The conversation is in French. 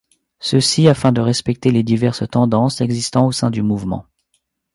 Ceci afin de respecter les diverses tendances existant au sein du mouvement.